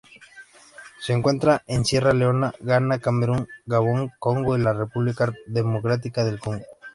Se encuentra en Sierra Leona Ghana Camerún Gabón Congo y República Democrática del Congo.